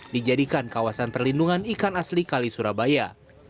dijadikan kawasan perlindungan ikan asli kali surabaya